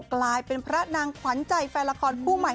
กลายเป็นพระนางขวัญใจแฟนละครคู่ใหม่